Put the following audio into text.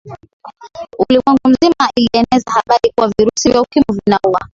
ulimwengu mzima ilieneza habari kuwa virusi vya ukimwi vinaua